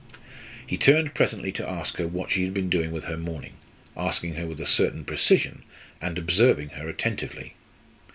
He turned presently to ask her what she had been doing with her morning asking her with a certain precision, and observing her attentively.